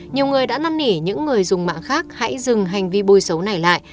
nhiều người đã năn nỉ những người dùng mạng khác hãy dừng hành vi bôi xấu này lại